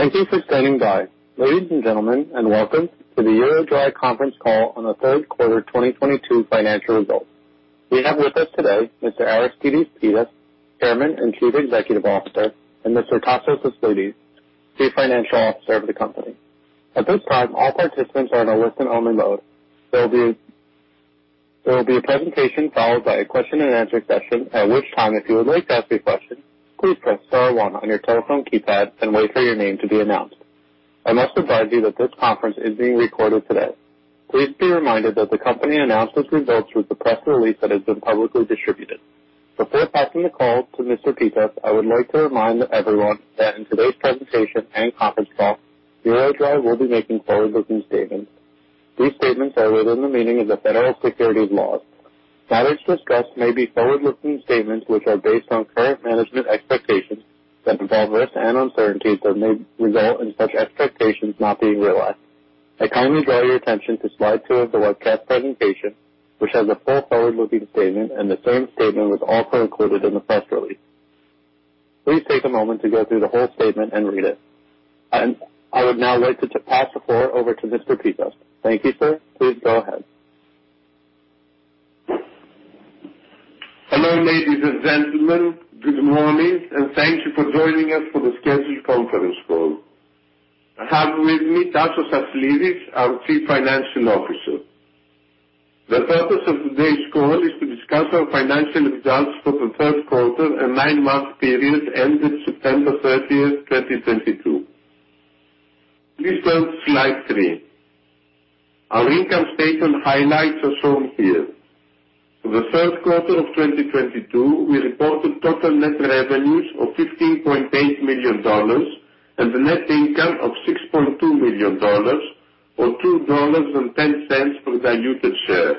Thank you for standing by, ladies and gentlemen, and welcome to the EuroDry Conference Call on the third quarter 2022 financial results. We have with us today Mr. Aristides Pittas, Chairman and Chief Executive Officer, and Mr. Anastasios Aslidis, Chief Financial Officer of the company. At this time, all participants are in a listen-only mode. There will be a presentation followed by a question-and-answer session, at which time, if you would like to ask a question, please press star one on your telephone keypad and wait for your name to be announced. I must advise you that this conference is being recorded today. Please be reminded that the company announced its results with the press release that has been publicly distributed. Before passing the call to Mr. Pittas, I would like to remind everyone that in today's presentation and conference call, EuroDry will be making forward-looking statements. These statements are within the meaning of the federal securities laws. Matters discussed may be forward-looking statements, which are based on current management expectations that involve risks and uncertainties that may result in such expectations not being realized. I kindly draw your attention to slide two of the webcast presentation, which has a full forward-looking statement, and the same statement was also included in the press release. Please take a moment to go through the whole statement and read it. I would now like to pass the floor over to Mr. Pittas. Thank you, sir. Please go ahead. Hello, ladies and gentlemen. Good morning, and thank you for joining us for the scheduled conference call. I have with me Anastasios Aslidis, our Chief Financial Officer. The purpose of today's call is to discuss our financial results for the third quarter and 9-month period ended September 30, 2022. Please turn to slide three. Our income statement highlights are shown here. For the third quarter of 2022, we reported total net revenues of $15.8 million and a net income of $6.2 million or $2.10 per diluted share.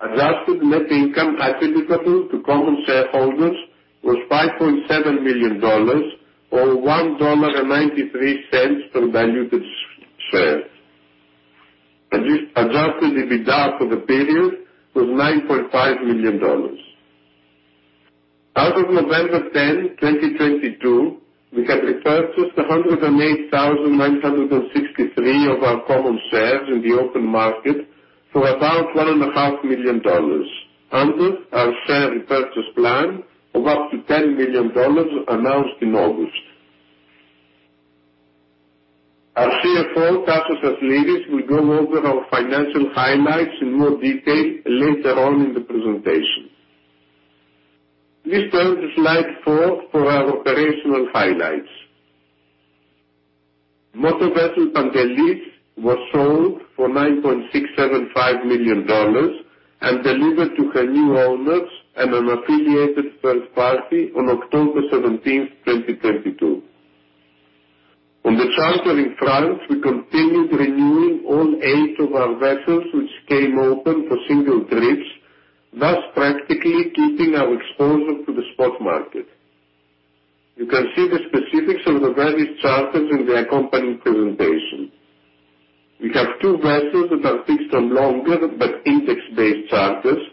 Adjusted net income attributable to common shareholders was $5.7 million or $1.93 per diluted share. Adjusted EBITDA for the period was $9.5 million. As of November 10, 2022, we had repurchased 108,963 of our common shares in the open market for about $1.5 million under our share repurchase plan of up to $10 million announced in August. Our CFO, Anastasios Aslidis, will go over our financial highlights in more detail later on in the presentation. Please turn to slide four for our operational highlights. Motor Vessel PANTELIS was sold for $9.675 million and delivered to her new owners and an affiliated third party on October 17, 2022. On the chartering front, we continued renewing all eight of our vessels which came open for single trips, thus practically keeping our exposure to the spot market. You can see the specifics of the various charters in the accompanying presentation. We have two vessels that are fixed on longer but index-based charters,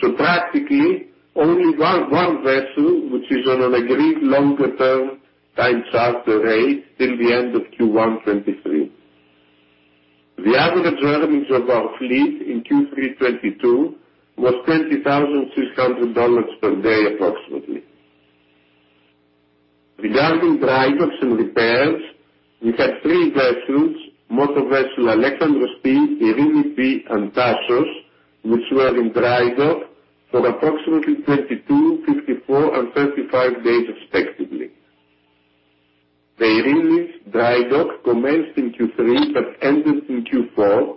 so practically only one vessel which is on an agreed longer-term time charter rate till the end of Q1 2023. The average earnings of our fleet in Q3 2022 was $20,600/day approximately. Regarding dry docks and repairs, we had three vessels, Motor Vessel Alexandros P, Eirini P, and Anastasios, which were in dry dock for approximately 22 days, 54 days, and 35 days respectively. The Eirini's dry dock commenced in Q3 but ended in Q4,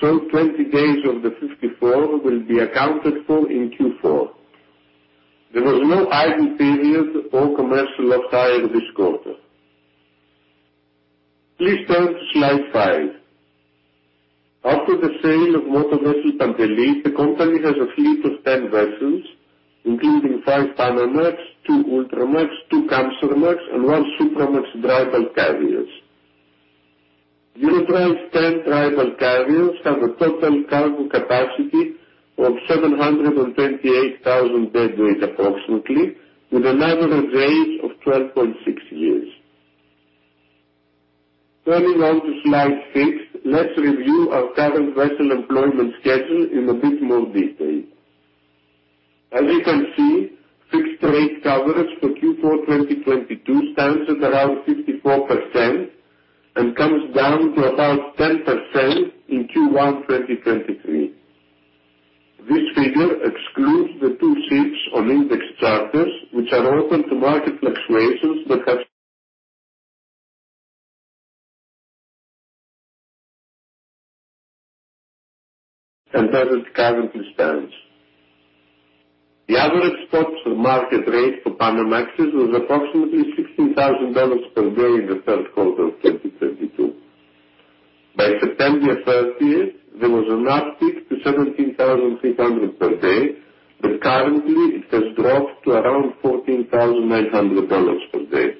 so 20 days of the 54 will be accounted for in Q4. There was no idle period or commercial off-hire this quarter. Please turn to slide five. After the sale of Motor Vessel PANTELIS, the company has a fleet of 10 vessels, including 5 Panamax, 2 Ultramax, 2 Kamsarmax, and 1 Supramax dry bulk carriers. EuroDry's 10 dry bulk carriers have a total cargo capacity of 728,000 deadweight approximately with an average age of 12.6 years. Turning to slide six, let's review our current vessel employment schedule in a bit more detail. As you can see, fixed rate coverage for Q4 2022 stands at around 54% and comes down to about 10% in Q1 2023. This figure excludes the two ships on index charters which are open to market fluctuations that currently stands. The average spot market rate for Panamax was approximately $16,000/day in the third quarter of 2022. By September 30th, there was an uptick to $17,300/day, but currently it has dropped to around $14,900/day.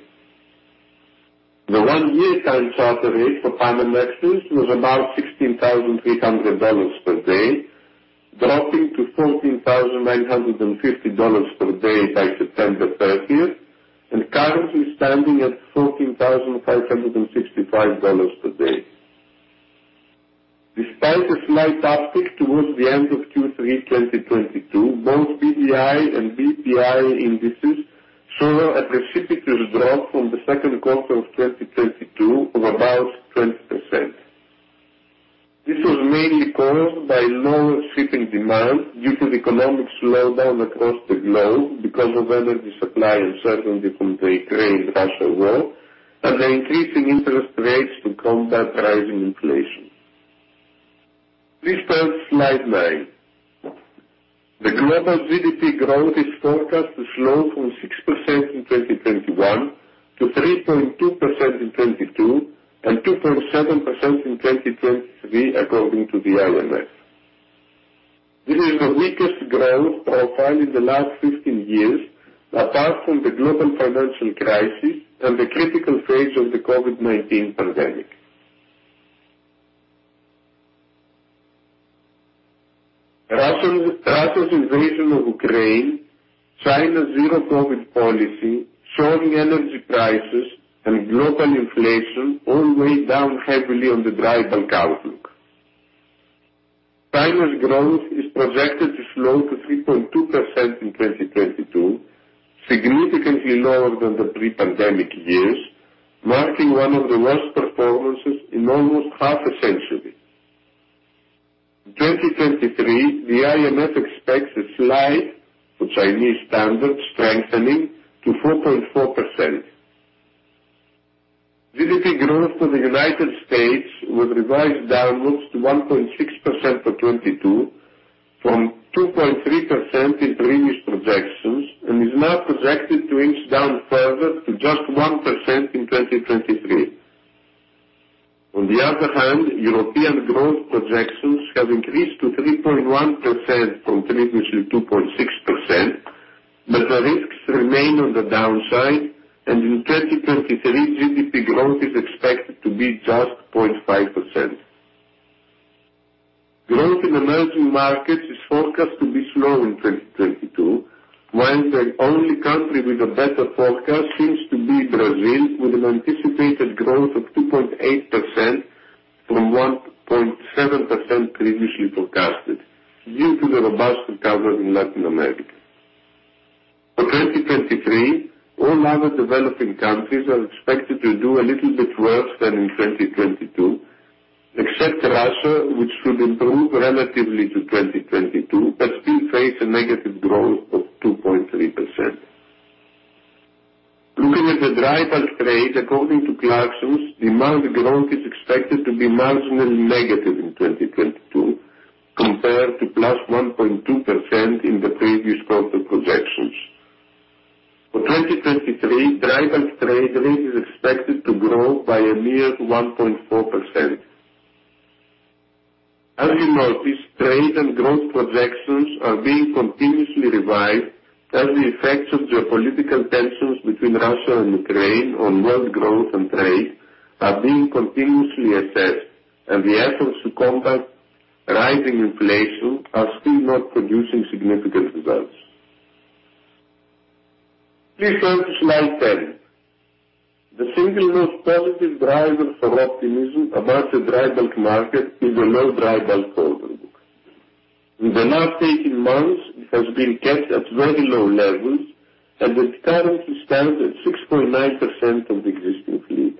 The one-year time charter rate for Panamax was about $16,300/day. Dropping to $14,950/day by September 30th and currently standing at $14,565/day. Despite a slight uptick towards the end of Q3 2022, both BDI and BPI indices saw a precipitous drop from the second quarter of 2022 of about 20%. This was mainly caused by lower shipping demand due to the economic slowdown across the globe because of energy supply uncertainty from the Ukraine-Russia war and the increasing interest rates to combat rising inflation. Please turn to slide nine. The global GDP growth is forecast to slow from 6% in 2021 to 3.2% in 2022 and 2.7% in 2023 according to the IMF. This is the weakest growth profile in the last 15 years apart from the global financial crisis and the critical phase of the COVID-19 pandemic. Russia's invasion of Ukraine, China's zero-COVID policy, soaring energy prices and global inflation all weighed down heavily on the dry bulk outlook. China's growth is projected to slow to 3.2% in 2022, significantly lower than the pre-pandemic years, marking one of the worst performances in almost half a century. In 2023, the IMF expects a slight, for Chinese standards, strengthening to 4.4%. GDP growth for the United States was revised downwards to 1.6% for 2022 from 2.3% in previous projections and is now projected to inch down further to just 1% in 2023. On the other hand, European growth projections have increased to 3.1% from previously 2.6%, but the risks remain on the downside, and in 2023, GDP growth is expected to be just 0.5%. Growth in emerging markets is forecast to be slow in 2022, while the only country with a better forecast seems to be Brazil with an anticipated growth of 2.8% from 1.7% previously forecasted due to the robust recovery in Latin America. For 2023, all other developing countries are expected to do a little bit worse than in 2022, except Russia, which should improve relatively to 2022 but still face a negative growth of 2.3%. Looking at the dry bulk trade according to Clarksons, demand growth is expected to be marginally negative in 2022 compared to +1.2% in the previous quarter projections. For 2023, dry bulk trade rate is expected to grow by a mere 1.4%. You notice, trade and growth projections are being continuously revised as the effects of geopolitical tensions between Russia and Ukraine on world growth and trade are being continuously assessed and the efforts to combat rising inflation are still not producing significant results. Please turn to slide 10. The single most positive driver for optimism about the dry bulk market is the low dry bulk orderbook. In the last 18 months, it has been kept at very low levels and it currently stands at 6.9% of the existing fleet.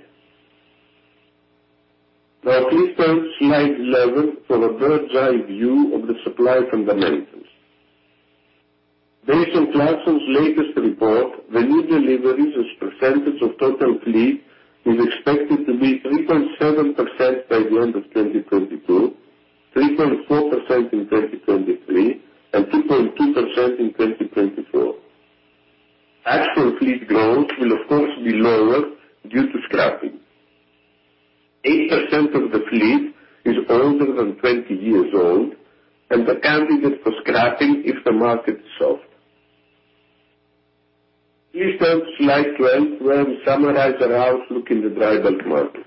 Now, please turn to slide 11 for a bird's-eye view of the supply fundamentals. Based on Clarksons' latest report, the new deliveries as percentage of total fleet is expected to be 3.7% by the end of 2022, 3.4% in 2023, and 2.2% in 2024. Actual fleet growth will of course be lower due to scrapping. 8% of the fleet is older than 20 years old and are candidates for scrapping if the market is soft. Please turn to slide 12 where we summarize our outlook in the dry bulk market.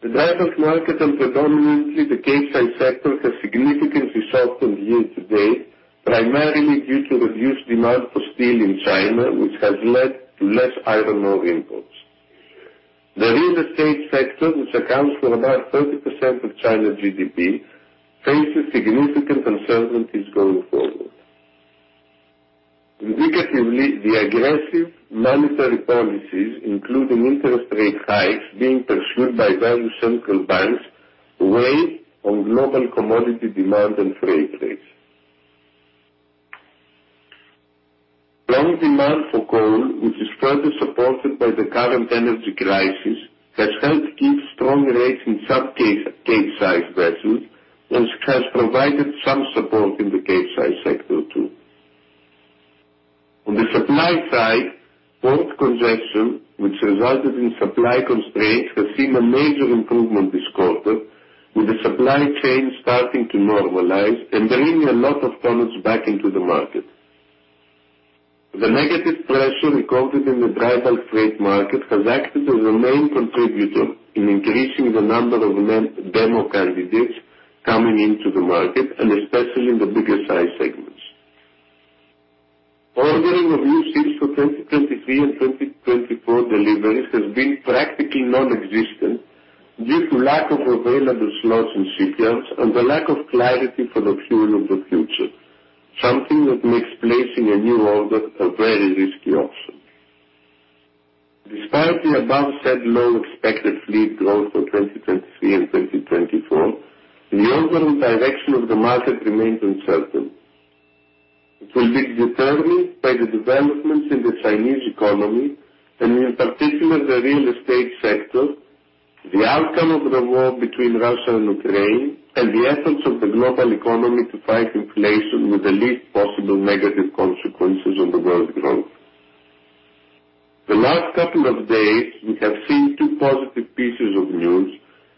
The dry bulk market and predominantly the Capesize sector has significantly softened year to date, primarily due to reduced demand for steel in China, which has led to less iron ore imports. The real estate sector, which accounts for about 30% of China's GDP, faces significant uncertainties going forward. Indicatively, the aggressive monetary policies, including interest rate hikes being pursued by various central banks, weigh on global commodity demand and freight rates. Strong demand for coal, which is further supported by the current energy crisis, has helped keep strong rates in some cases, Capesize vessels and has provided some support in the Capesize sector too. On the supply side, port congestion, which resulted in supply constraints, has seen a major improvement this quarter, with the supply chain starting to normalize and bringing a lot of tonnage back into the market. The negative pressure recorded in the dry bulk freight market has acted as the main contributor in increasing the number of demo candidates coming into the market and especially in the bigger size segments. Ordering of new ships for 2023 and 2024 deliveries has been practically nonexistent due to lack of available slots in shipyards and the lack of clarity for the fuel of the future, something that makes placing a new order a very risky option. Despite the above said low expected fleet growth for 2023 and 2024, the overall direction of the market remains uncertain. It will be determined by the developments in the Chinese economy and in particular the real estate sector, the outcome of the war between Russia and Ukraine, and the efforts of the global economy to fight inflation with the least possible negative consequences on the world growth. The last couple of days, we have seen two positive pieces of news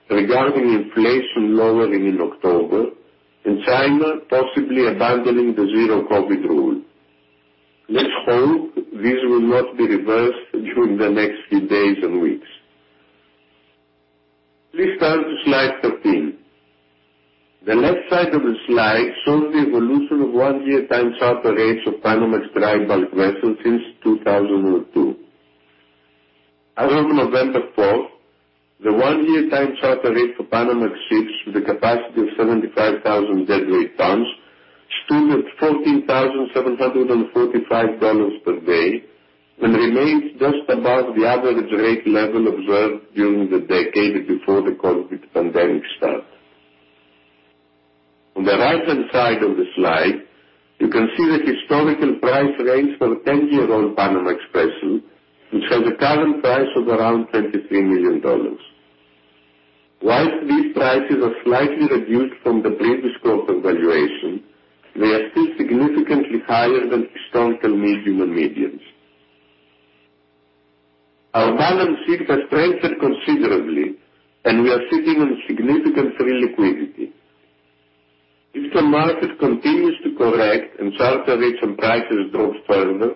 regarding inflation lowering in October and China possibly abandoning the zero COVID rule. Let's hope this will not be reversed during the next few days and weeks. Please turn to slide 13. The left side of the slide shows the evolution of one-year time charter rates of Panamax dry bulk vessels since 2002. As of November 4, the one-year time charter rate for Panamax ships with a capacity of 75,000 deadweight tons stood at $14,745/day and remains just above the average rate level observed during the decade before the COVID pandemic start. On the right-hand side of the slide, you can see the historical price range for 10-year-old Panamax vessels, which has a current price of around $23 million. While these prices are slightly reduced from the previous quarter valuation, they are still significantly higher than historical means and the medians. Our balance sheet has strengthened considerably, and we are sitting on significant free liquidity. If the market continues to correct and charter rates and prices drop further,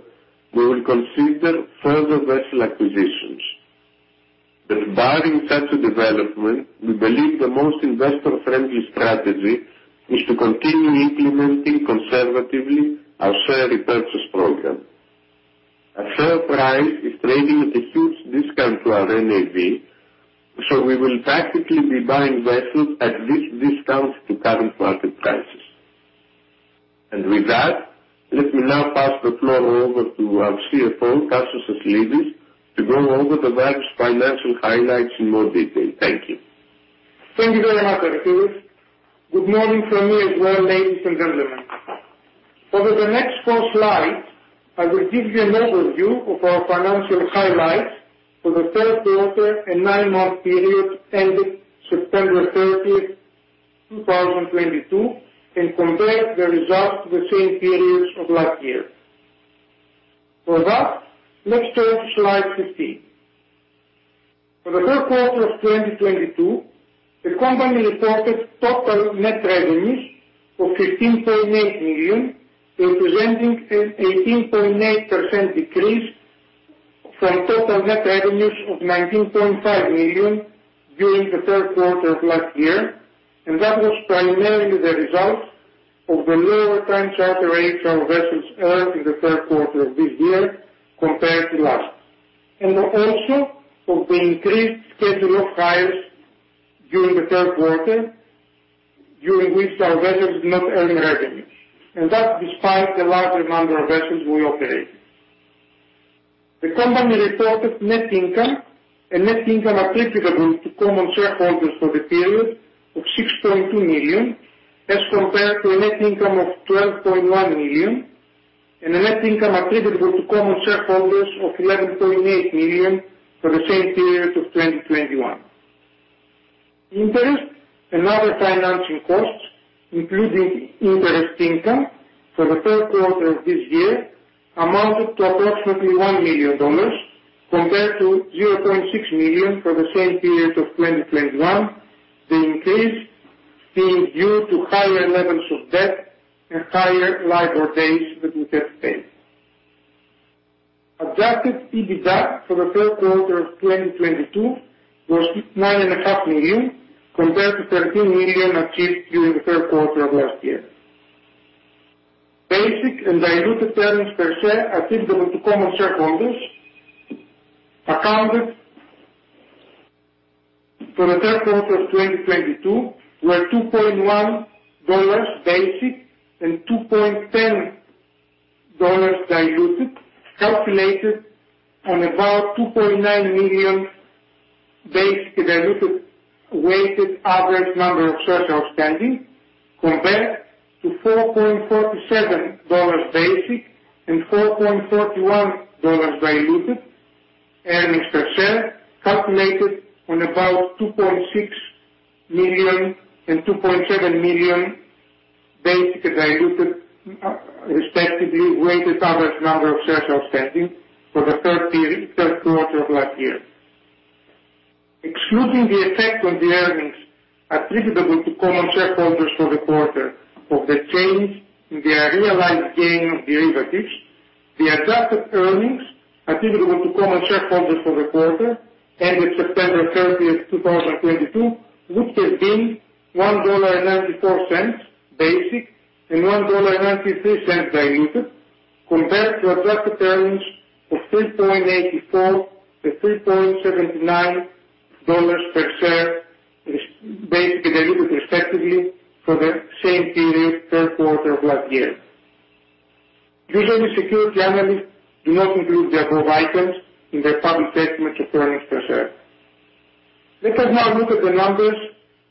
we will consider further vessel acquisitions. Barring such a development, we believe the most investor-friendly strategy is to continue implementing conservatively our share repurchase program. Our share price is trading at a huge discount to our NAV, so we will practically be buying vessels at this discount to current market prices. With that, let me now pass the floor over to our CFO, Anastasios Aslidis, to go over the various financial highlights in more detail. Thank you. Thank you very much, Aristides. Good morning from me as well, ladies and gentlemen. Over the next four slides, I will give you an overview of our financial highlights for the third quarter and 9-month period ending September 30, 2022 and compare the results to the same periods of last year. For that, let's turn to slide 15. For the third quarter of 2022, the company reported total net revenues of $15.8 million, representing an 18.8% decrease from total net revenues of $19.5 million during the third quarter of last year. That was primarily the result of the lower time charter rates our vessels earned in the third quarter of this year compared to last. Also of the increased schedule of hires during the third quarter, during which our vessels did not earn revenue, and that despite the larger number of vessels we operate. The company reported net income and net income attributable to common shareholders for the period of $6.2 million, as compared to a net income of $12.1 million and a net income attributable to common shareholders of $11.8 million for the same period of 2021. Interest and other financing costs, including interest income, for the third quarter of this year amounted to approximately $1 million, compared to $0.6 million for the same period of 2021. The increase being due to higher levels of debt and higher LIBOR rates that we had to pay. Adjusted EBITDA for the third quarter of 2022 was $9.5 million, compared to $13 million achieved during the third quarter of last year. Basic and diluted earnings per share attributable to common shareholders for the third quarter of 2022 were $2.1 basic and $2.10 diluted, calculated on about 2.9 million basic and diluted weighted average number of shares outstanding, compared to $4.47 basic and $4.41 diluted earnings per share, calculated on about 2.6 million and 2.7 million basic and diluted, respectively, weighted average number of shares outstanding for the third quarter of last year. Excluding the effect on the earnings attributable to common shareholders for the quarter of the change in the realized gain of derivatives, the Adjusted earnings attributable to common shareholders for the quarter ended September 30, 2022 would have been $1.94 basic and $1.93 diluted, compared to Adjusted earnings of $3.84-$3.79 per share, basic and diluted, respectively, for the same period, third quarter of last year. Usually, security analysts do not include the above items in their public statements of earnings per share. Let us now look at the numbers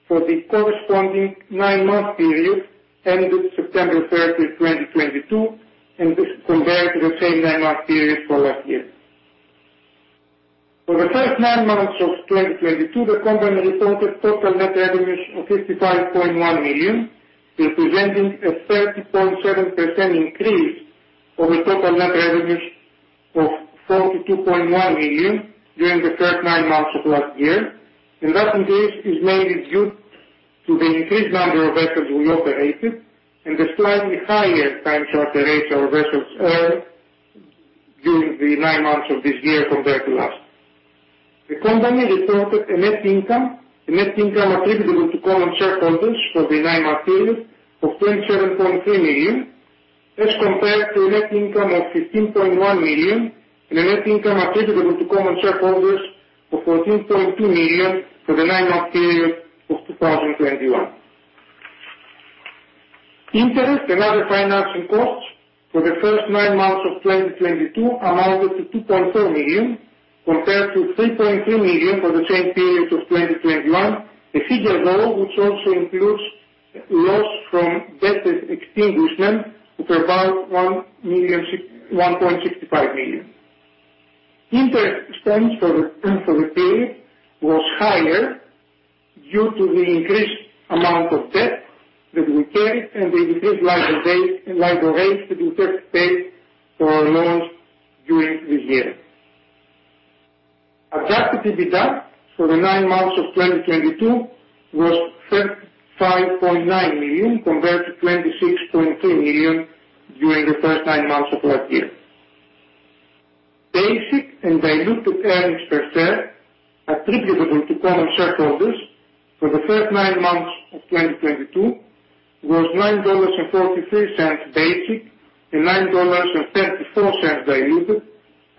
for the corresponding 9-month period ended September 30, 2022, and this compared to the same 9-month period for last year. For the first nine months of 2022, the company reported total net revenues of $55.1 million, representing a 30.7% increase over total net revenues of $42.1 million during the first nine months of last year. That increase is mainly due to the increased number of vessels we operated and the slightly higher time charter rates our vessels earned during the nine months of this year compared to last. The company reported a net income and net income attributable to common shareholders for the 9-month period of $27.3 million, as compared to a net income of $15.1 million and a net income attributable to common shareholders of $14.2 million for the 9-month period of 2021. Interest and other financing costs for the first nine months of 2022 amounted to $2.4 million compared to $3.3 million for the same period of 2021, a figure, though, which also includes loss from debt extinguishment of about $1.65 million. Interest expense for the period was higher due to the increased amount of debt that we carried and the increased LIBOR rate, LIBOR rates that we had to pay for our loans during this year. Adjusted EBITDA for the nine months of 2022 was $35.9 million, compared to $26.3 million during the first nine months of last year. Basic and diluted earnings per share attributable to common shareholders for the first nine months of 2022 was $9.43 basic and $9.34 diluted,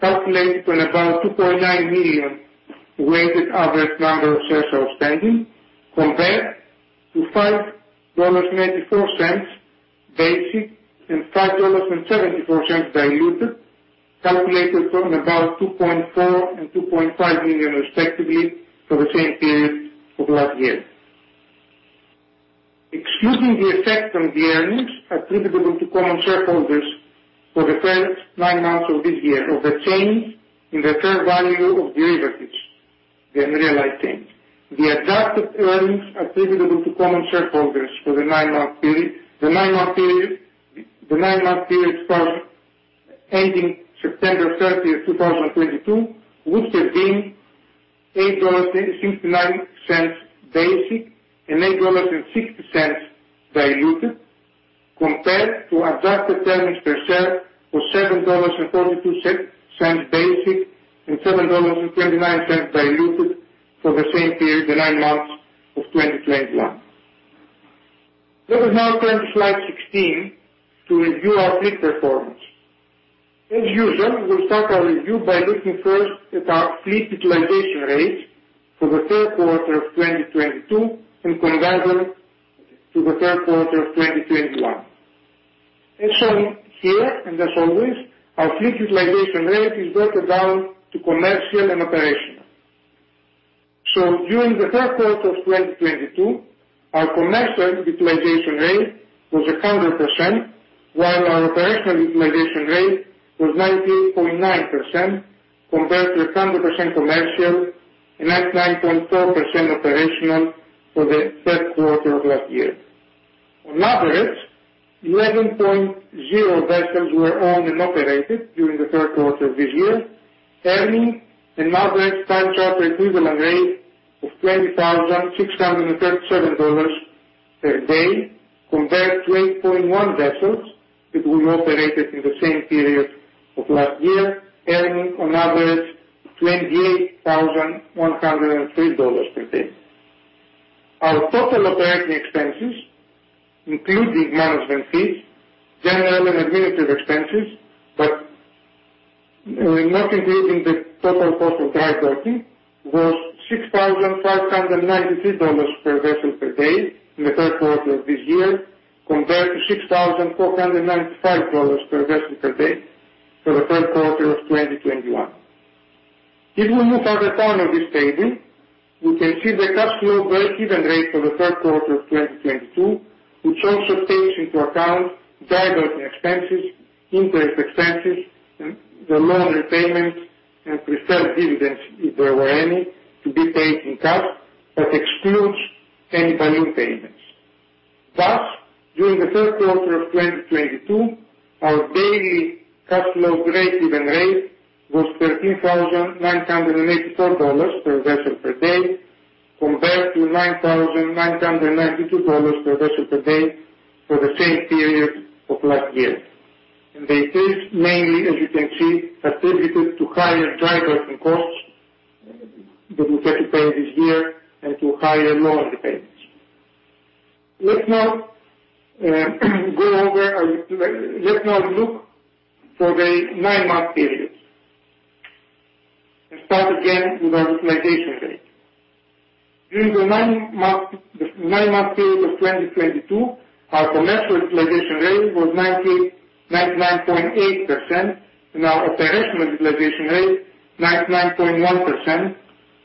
calculated on about 2.9 million weighted average number of shares outstanding, compared to $5.94 basic and $5.74 diluted, calculated on about 2.4 and 2.5 million respectively, for the same period of last year. Excluding the effect on the earnings attributable to common shareholders for the first nine months of this year of the change in the fair value of derivatives, the unrealized change, the Adjusted earnings attributable to common shareholders for the 9-month period first ending September 30, 2022, would have been $8.69 basic and $8.60 diluted, compared to Adjusted earnings per share of $7.42 cents basic and $7.29 diluted for the same period, the nine months of 2021. Let us now turn to slide 16 to review our fleet performance. As usual, we'll start our review by looking first at our fleet utilization rates for the third quarter of 2022 in comparison to the third quarter of 2021. As shown here, and as always, our fleet utilization rate is broken down to commercial and operational. During the third quarter of 2022, our commercial utilization rate was 100%, while our operational utilization rate was 98.9% compared to 100% commercial and 99.4% operational for the third quarter of last year. On average, 11.0 vessels were owned and operated during the third quarter of this year, earning an average time charter equivalent rate of $20,637/day, compared to 8.1 vessels that we operated in the same period of last year, earning on average $28,103/day. Our total operating expenses, including management fees, general and administrative expenses, but not including the total cost of drydocking, was $6,593/vessel/day in the third quarter of this year, compared to $6,495/vessel/day for the third quarter of 2021. If we look at the bottom of this table, you can see the cash flow breakeven rate for the third quarter of 2022, which also takes into account drydocking expenses, interest expenses, and the loan repayments and preferred dividends, if there were any, to be paid in cash, but excludes any premium payments. Thus, during the third quarter of 2022, our daily cash flow breakeven rate was $13,984/vessel/day, compared to $9,992/vessel/day for the same period of last year. The increase mainly, as you can see, attributed to higher drydocking costs that we had to pay this year and to higher loan repayments. Let's now look for the 9-month period. Let's start again with our utilization rate. During the 9-month period of 2022, our commercial utilization rate was 99.8% and our operational utilization rate 99.1%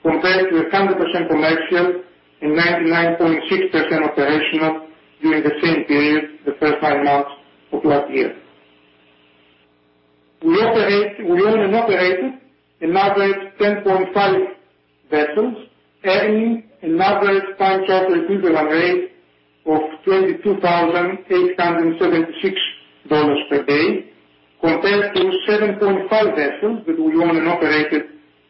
compared to 100% commercial and 99.6% operational during the same period, the first 9 months of last year. We own and operate an average 10.5 vessels, earning an average time charter equivalent rate of $22,876/day, compared to 7.5 vessels that we own and operated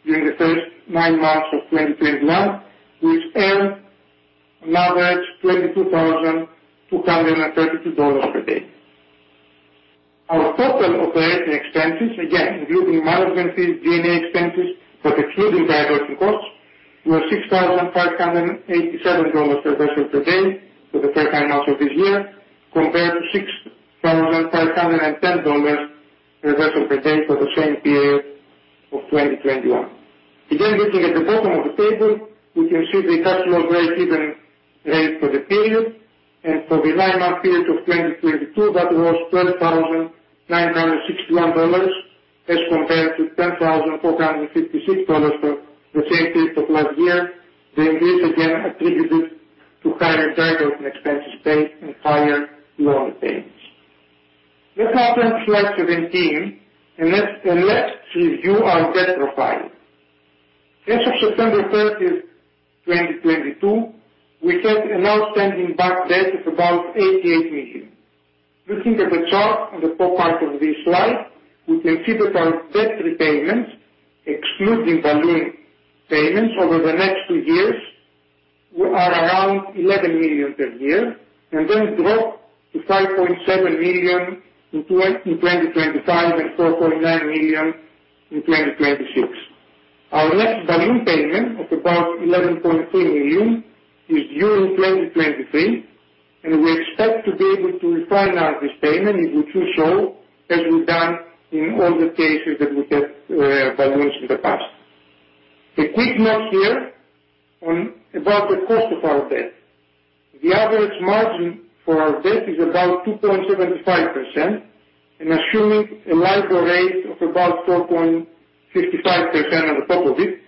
during the first 9 months of 2021, which earned an average $22,232/day. Our total operating expenses, again, including management fees, G&A expenses, but excluding dry docking costs, were $6,587/vessel/day for the first nine months of this year, compared to $6,510/vessel/day for the same period of 2021. Again, looking at the bottom of the table, we can see the cash flow breakeven rate for the period and for the 9-month period of 2022, that was $12,961 as compared to $10,456 for the same period of last year. The increase again attributed to higher dry docking expenses paid and higher loan repayments. Let's now turn to slide 17 and let's review our debt profile. As of September 30, 2022, we had an outstanding bond debt of about $88 million. Looking at the chart on the top right of this slide, we can see that our debt repayments, excluding balloon payments over the next two years, we are around $11 million/year, and then drop to $5.7 million in 2025 and $4.9 million in 2026. Our next balloon payment of about $11.3 million is due in 2023, and we expect to be able to refinance this payment if we choose so, as we've done in all the cases that we have, balloons in the past. A quick note here about the cost of our debt. The average margin for our debt is about 2.75%, and assuming a LIBOR rate of about 4.55% on top of it,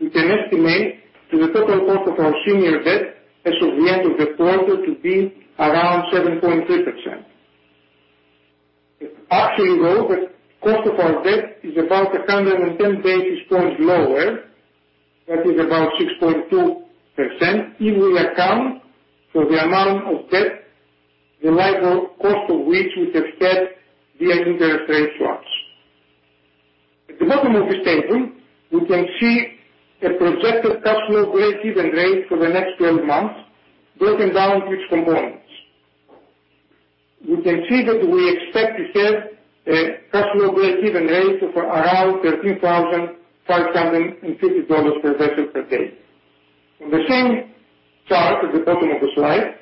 we can estimate the total cost of our senior debt as of the end of the quarter to be around 7.3%. Actually, though, the cost of our debt is about 110 basis points lower, that is about 6.2% if we account for the amount of debt, the LIBOR cost of which we have hedged via interest rate swaps. At the bottom of this table, we can see a projected cash flow breakeven rate for the next twelve months, broken down to its components. We can see that we expect to have a cash flow breakeven rate of around $13,550/vessel/day. In the same chart at the bottom of the slide,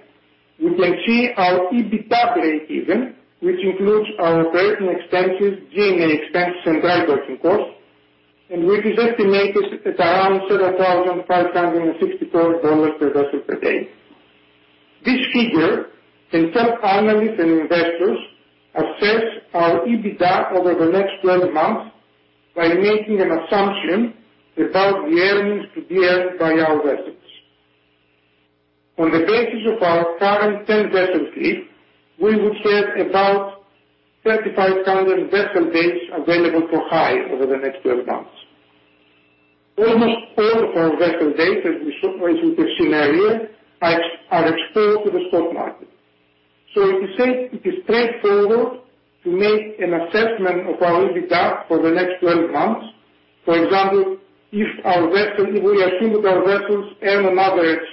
we can see our EBITDA breakeven, which includes our operating expenses, G&A expenses, and drydocking costs, and which is estimated at around $7,564/vessel/day. This figure can help analysts and investors assess our EBITDA over the next 12 months by making an assumption about the earnings to be earned by our vessels. On the basis of our current 10-vessel fleet, we would have about 3,500 vessel days available for hire over the next 12 months. Almost all of our vessel days, as we have seen earlier, are exposed to the spot market. It is straightforward to make an assessment of our EBITDA for the next 12 months. For example, if we assumed our vessels earn on average,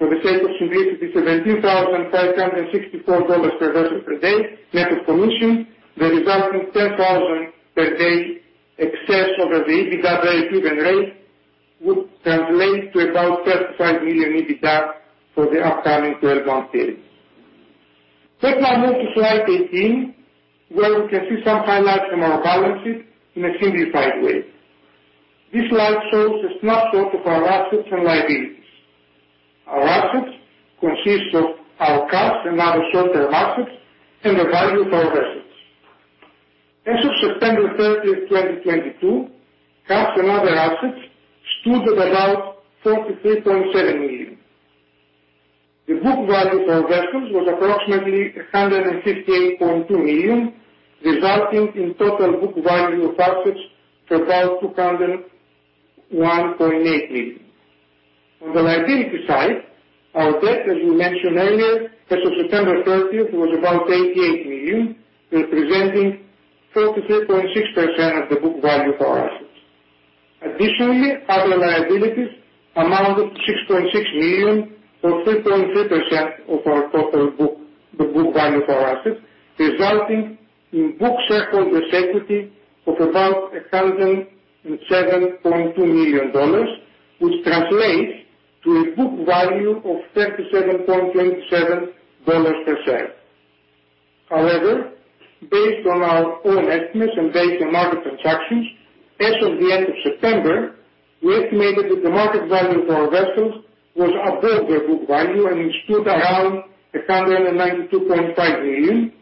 for the sake of simplicity, $17,564/vessel/day net of commission, the resulting $10,000 per day excess over the EBITDA breakeven rate would translate to about $35 million EBITDA for the upcoming 12-month period. Let's now move to slide 18, where we can see some highlights from our balance sheet in a simplified way. This slide shows a snapshot of our assets and liabilities. Our assets consist of our cash and other short-term assets and the value of our vessels. As of September 30, 2022, cash and other assets stood at about $43.7 million. The book value for our vessels was approximately $158.2 million, resulting in total book value of assets for about $201.8 million. On the liability side, our debt, as we mentioned earlier, as of September 30 was about $88 million, representing 43.6% of the book value for assets. Additionally, other liabilities amount of $6.6 million or 3.3% of our total book, the book value for assets, resulting in book shareholders' equity of about $107.2 million, which translates to a book value of $37.27 per share. However, based on our own estimates and based on market transactions, as of the end of September, we estimated that the market value for our vessels was above their book value and stood around $192.5 million,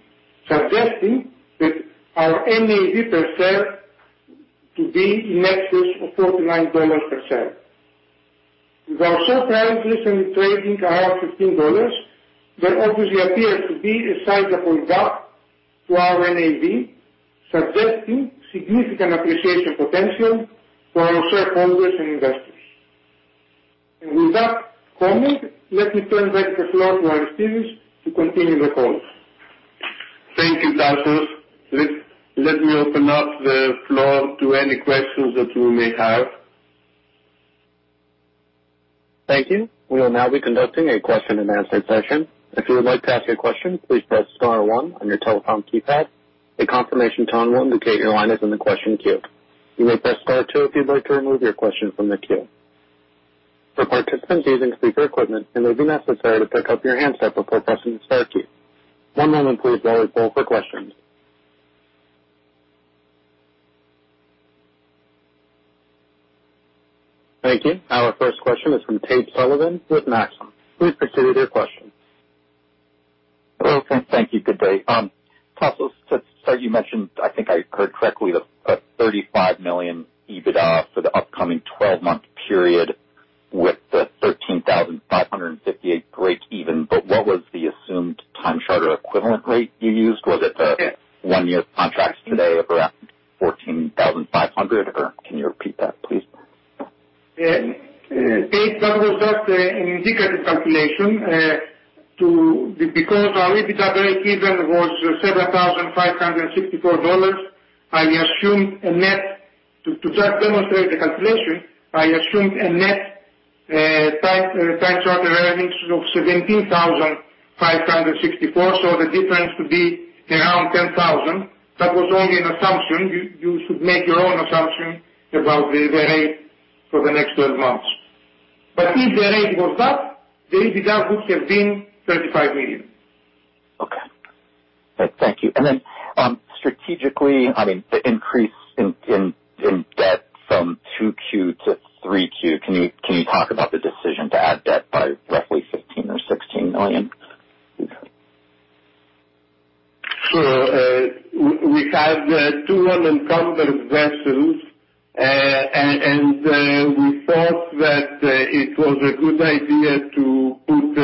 suggesting that our NAV per share to be in excess of $49 per share. With our share prices recently trading around $15, there obviously appears to be a sizable gap to our NAV, suggesting significant appreciation potential for our shareholders and investors. With that comment, let me turn back the floor to Aristides to continue the call. Thank you, Anastasios. Let me open up the floor to any questions that you may have. Thank you. We will now be conducting a question-and-answer session. If you would like to ask a question, please press star one on your telephone keypad. A confirmation tone will indicate your line is in the question queue. You may press star two if you'd like to remove your question from the queue. For participants using speaker equipment, it may be necessary to pick up your handset before pressing the star key. One moment please while we poll for questions. Thank you. Our first question is from Tate Sullivan with Maxim. Please proceed with your question. Okay, thank you. Good day. Anastasios, to start, you mentioned I think I heard correctly, the $35 million EBITDA for the upcoming 12-month period with the 13,558 breakeven. What was the assumed time charter equivalent rate you used? Was it- Yes. one-year contracts today of around $14,500. Or can you repeat that please? Yeah. Tate, that was just an indicative calculation because our EBITDA breakeven was $7,564. I assumed a net time charter earnings of $17,564 just to demonstrate the calculation. The difference would be around $10,000. That was only an assumption. You should make your own assumption about the rate for the next 12 months. If the rate goes up, the EBITDA would have been $35 million. Okay. Thank you. Strategically, I mean, the increase in debt from 2Q to 3Q. Can you talk about the decision to add debt by roughly $15 million or $16 million? We have two unencumbered vessels. We thought that it was a good idea to put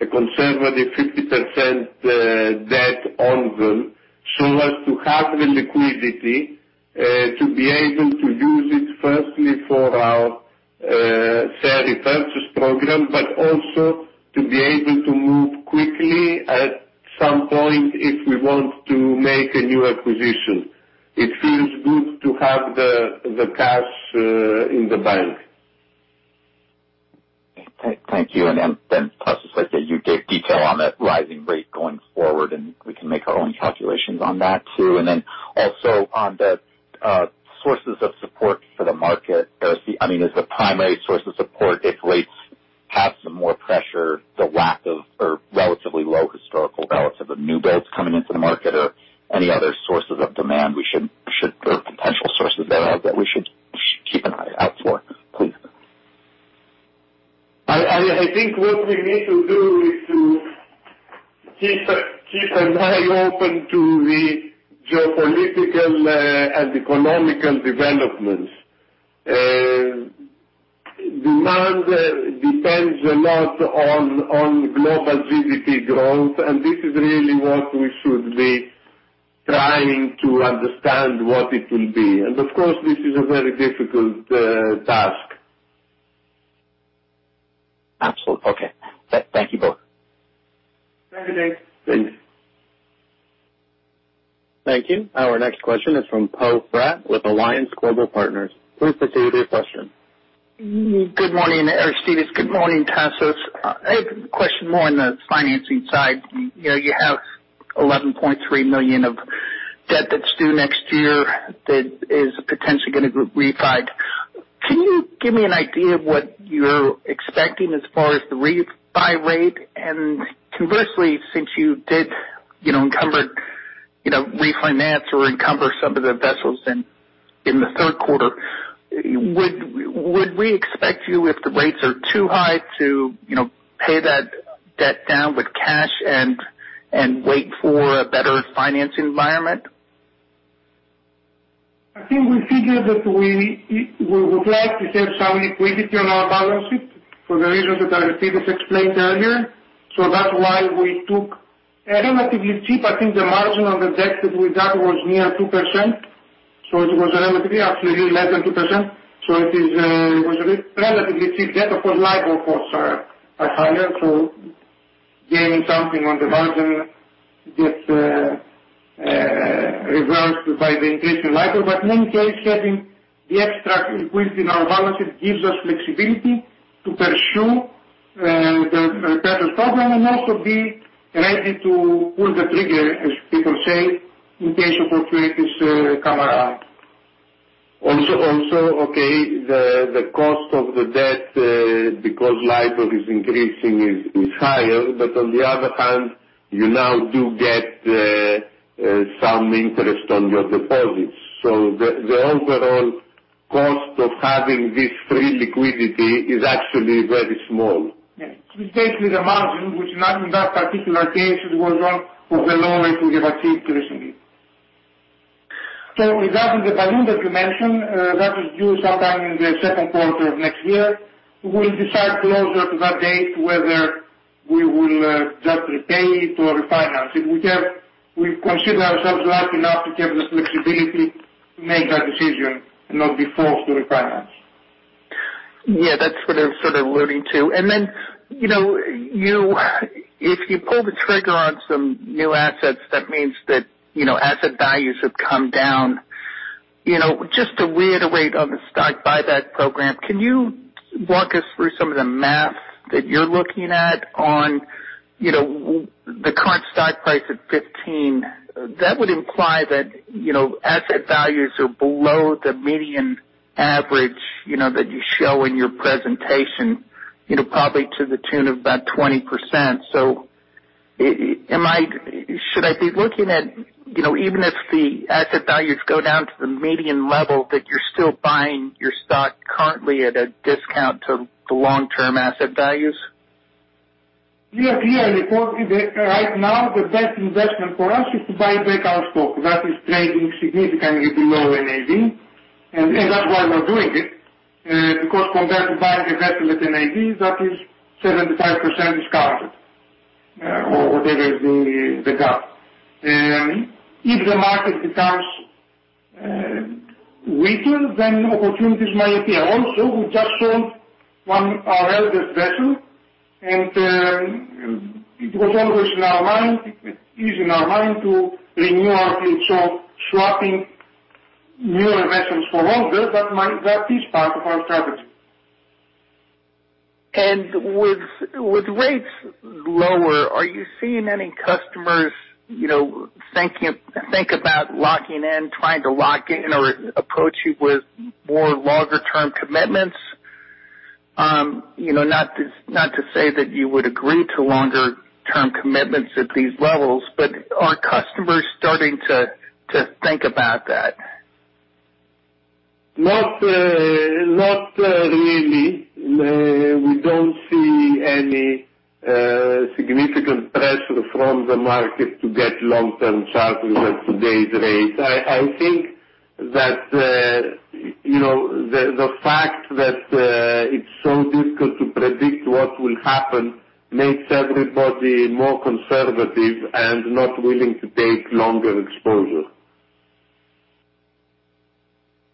a conservative 50% debt on them so as to have the liquidity to be able to use it firstly for our share repurchase program, but also to be able to move quickly at some point if we want to make a new acquisition. It feels good to have the cash in the bank. Thank you. Anastasios, like you gave detail on that rising rate going forward, and we can make our own calculations on that too. On the sources of support for the market. I mean, is the primary source of support if rates have some more pressure the lack of or relatively low historical relative of new builds coming into the market or any other sources of demand we should or potential sources there are that we should keep an eye out for? Please. I think what we need to do is to keep an eye open to the geopolitical and economic developments. Demand depends a lot on global GDP growth, and this is really what we should be trying to understand what it will be. Of course, this is a very difficult task. Absolutely. Okay. Thank you both. Thank you. Thanks. Thank you. Our next question is from Poe Fratt with Alliance Global Partners. Please proceed with your question. Good morning, Aristides. Good morning, Anastasios. I have a question more on the financing side. You know, you have $11.3 million of debt that's due next year that is potentially gonna be refinanced. Can you give me an idea of what you're expecting as far as the refi rate? Conversely, since you did, you know, encumbered, you know, refinance or encumber some of the vessels in the third quarter, would we expect you if the rates are too high to, you know, pay that debt down with cash and wait for a better financing environment? I think we figured that we would like to have some liquidity on our balance sheet for the reasons that Aristides explained earlier. That's why we took a relatively cheap. I think the margin on the debt that we got was near 2%, so it was relatively, actually less than 2%. It was a bit relatively cheap debt. Of course, LIBOR costs are higher, so gaining something on the margin gets reversed by the increase in LIBOR. In any case, having the extra increase in our balance, it gives us flexibility to pursue the better prospects and also be ready to pull the trigger, as people say, in case opportunities come around. Also, okay, the cost of the debt, because LIBOR is increasing, is higher. On the other hand, you now do get some interest on your deposits. The overall cost of having this free liquidity is actually very small. Yeah. It's basically the margin, which in that particular case, it was one of the lower rates we have achieved recently. Regarding the balloon that you mentioned, that is due sometime in the second quarter of next year. We'll decide closer to that date whether we will just repay it or refinance it. We consider ourselves lucky enough to have the flexibility to make that decision and not be forced to refinance. Yeah, that's what I was sort of alluding to. Then, you know, you if you pull the trigger on some new assets, that means that, you know, asset values have come down. You know, just to reiterate on the stock buyback program, can you walk us through some of the math that you're looking at on, you know, the current stock price at $15? That would imply that, you know, asset values are below the median average, you know, that you show in your presentation, you know, probably to the tune of about 20%. Am I, should I be looking at, you know, even if the asset values go down to the median level, that you're still buying your stock currently at a discount to the long-term asset values? Yeah, clearly. Right now, the best investment for us is to buy back our stock that is trading significantly below NAV. That's why we're doing it. Because compared to buying a vessel at NAV, that is 75% discounted, or whatever is the gap. If the market becomes weaker, then opportunities might appear. Also, we just sold one of our oldest vessel, and it was always in our mind, is in our mind to renew our fleet. Swapping newer vessels for older, that is part of our strategy. With rates lower, are you seeing any customers, you know, think about locking in, trying to lock in or approach you with more longer term commitments? You know, not to say that you would agree to longer term commitments at these levels, but are customers starting to think about that? Not really. We don't see any significant pressure from the market to get long-term charters at today's rates. I think that you know, the fact that it's so difficult to predict what will happen makes everybody more conservative and not willing to take longer exposure.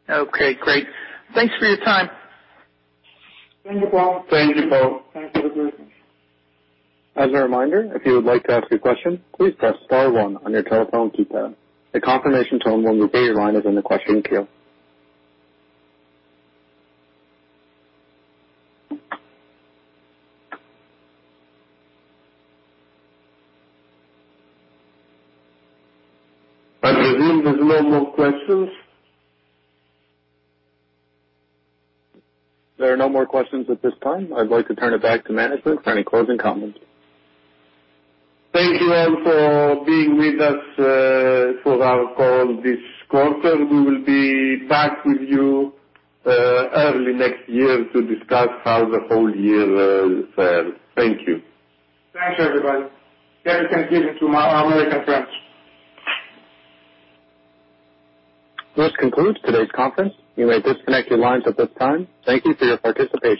Okay, great. Thanks for your time. Thank you, Poe. Thank you, Paul. Thanks for the questions. As a reminder, if you would like to ask a question, please press star one on your telephone keypad. A confirmation tone will repeat your line is in the question queue. I presume there's no more questions. There are no more questions at this time. I'd like to turn it back to management for any closing comments. Thank you all for being with us for our call this quarter. We will be back with you early next year to discuss how the whole year fared. Thank you. Thanks, everybody. Derek can give it to our American friends. This concludes today's conference. You may disconnect your lines at this time. Thank you for your participation.